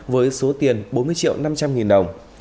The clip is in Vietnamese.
với số tiền bốn mươi triệu năm trăm linh nghìn đồng